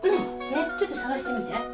ねっちょっと捜してみて。